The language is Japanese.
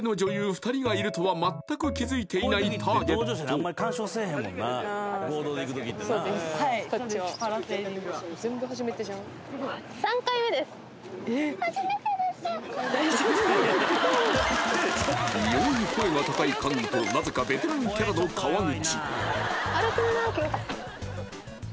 ２人がいるとは全く気づいていないターゲット異様に声が高い菅野となぜかベテランキャラの川口